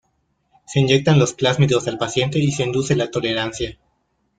Se inyectan los plásmidos al paciente y se induce la tolerancia.